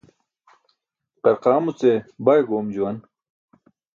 Qarqaamuce baý goom juwan.